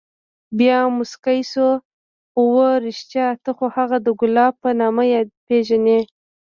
بيا موسكى سو اوه رښتيا ته خو هغه د ګلاب په نامه پېژنې.